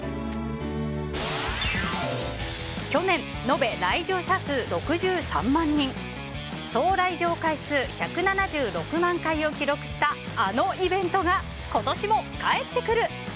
去年、延べ来場者数６３万人総来場回数１７６万回を記録したあのイベントが今年も帰ってくる。